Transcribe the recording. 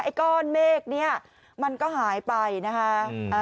ก้อนเมฆเนี่ยมันก็หายไปนะคะ